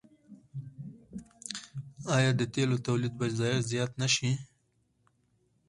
آیا د تیلو تولید به زیات نشي؟